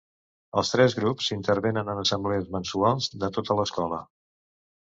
Els tres grups intervenen en assemblees mensuals de tota l'escola.